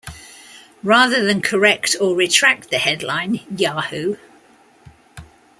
Rather than correct or retract the headline, Yahoo!